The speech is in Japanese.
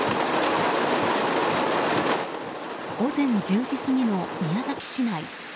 午前１０時過ぎの宮崎市内。